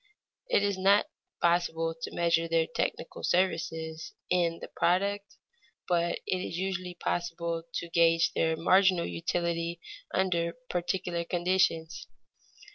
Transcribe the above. It is not possible to measure their technical services in the product, but it usually is possible to gage their marginal utility under particular conditions.